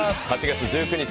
８月１９日